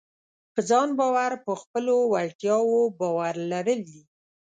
په ځان باور په خپلو وړتیاوو باور لرل دي.